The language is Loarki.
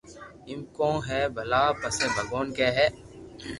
ايم ڪون ھي ڀلا پسي ڀگوان ڪي اي